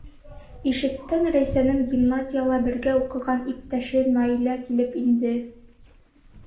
Ишектән Рәйсәнең гимназияла бергә уҡыған иптәше Наилә килеп инде.